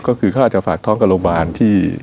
ก็คิอเขามาช่วยฝากท้องกับโรงพยาบาล